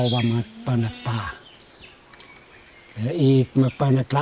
bagaimana kita bisa menjaga alam